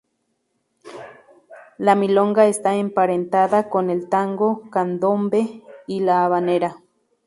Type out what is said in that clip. La milonga está emparentada con el tango, candombe, y la habanera.